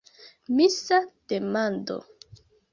Misa demando.